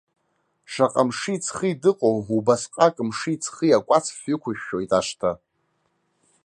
Шаҟа мши ҵхи дыҟоу, убасҟак мши ҵхи акәац фҩы ықәшәшәоит ашҭа.